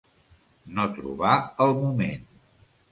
No trobar el moment.